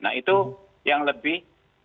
nah itu yang lebih